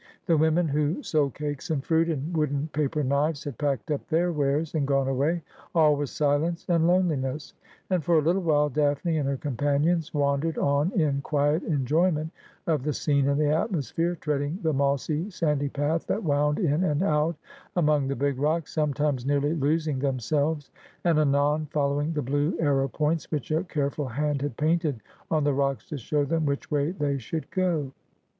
The women who sold cakes and fruit, and wooden paper knives, had packed up their wares and gone away. All was silence and loneliness ; and for a little while Daphne and her companions wandered on in quiet enjoyment of the scene and the atmosphere, treading the mossy, sandy path that wound in and out among the big rocks, sometimes nearly losing themselves, and anon following the blue arrow points which a careful hand had painted on the rocks to show them which way they should go.